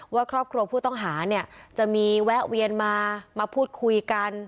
ว่าครอบครัวผู้ต้องหาเนี่ยจะมีแวะเวียนมามาพูดคุยกัน